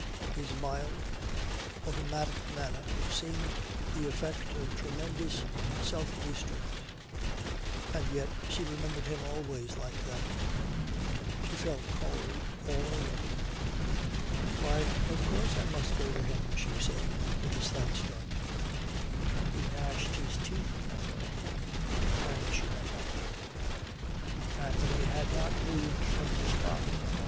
His mild automatic manner seemed the effect of tremendous self restraint and yet she remembered him always like that. She felt cold all over. "Why, of course, I must go to him," she said with a slight start. He gnashed his teeth at her and she went out. Anthony had not moved from the spot.